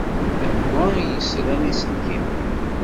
Anwa i yesran iselkimen?